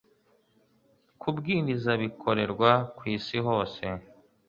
kubwiriza bikorerwa ku isi hose